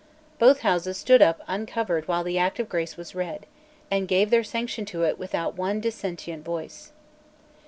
Both Houses stood up uncovered while the Act of Grace was read, and gave their sanction to it without one dissentient voice.